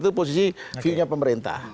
itu posisi view nya pemerintah